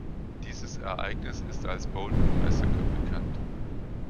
Dieses Ereignis ist als "Bolton Massacre" bekannt.